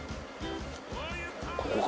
ここか。